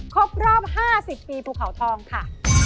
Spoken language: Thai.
ครบรอบห้าสิบปีภูเขาทองค่ะ